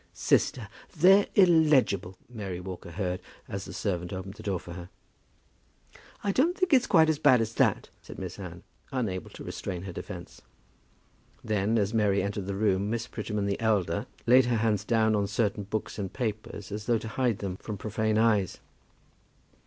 "Sister, they are illegible," Mary Walker heard, as the servant opened the door for her. "I don't think it's quite so bad as that," said Miss Anne, unable to restrain her defence. Then, as Mary entered the room, Miss Prettyman the elder laid her hands down on certain books and papers as though to hide them from profane eyes.